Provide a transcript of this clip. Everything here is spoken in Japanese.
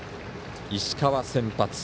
石川、先発。